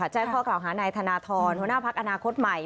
แจ้งข้อกล่าวหานายธนทรหัวหน้าพักอนาคตใหม่